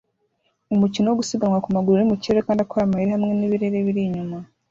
Umukino wo gusiganwa ku maguru uri mu kirere kandi akora amayeri hamwe n’ibirere biri inyuma